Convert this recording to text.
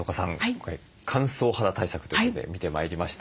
今回乾燥肌対策ということで見てまいりました。